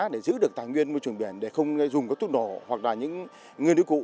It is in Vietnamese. để giữ được tài nguyên môi trường biển để không dùng các tút nổ hoặc là những ngươi nữ cụ